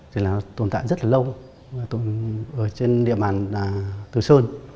thì nó tồn tại rất là lâu ở trên địa bàn từ sơn